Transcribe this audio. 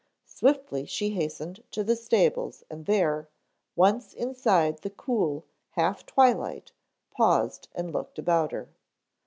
Swiftly she hastened to the stables and there, once inside in the cool half twilight, paused and looked about her.